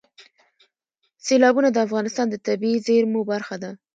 سیلابونه د افغانستان د طبیعي زیرمو برخه ده.